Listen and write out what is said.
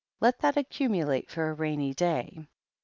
Let that accumulate for a rainy day."